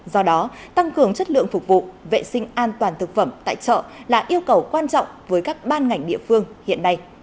do đó tăng cường chất lượng phục vụ vệ sinh an toàn thực phẩm tại chợ là yêu cầu quan trọng với các ban ngành địa phương hiện nay